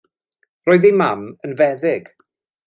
Roedd ei mam yn feddyg.